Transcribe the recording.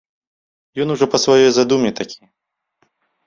Ён ужо па сваёй задуме такі.